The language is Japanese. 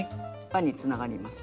輪につながります。